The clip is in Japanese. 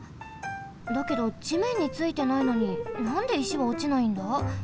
だけどじめんについてないのになんで石はおちないんだ？